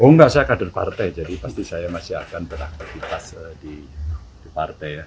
oh enggak saya kader partai jadi pasti saya masih akan beraktivitas di partai ya